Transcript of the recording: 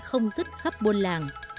không dứt khắp buôn làng